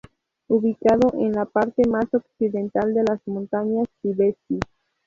Ubicado en la parte más occidental de las montañas tibesti.